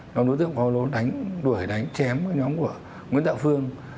nhóm đối tượng quang bà lô đuổi đánh chém với nhóm của nguyễn tạo phương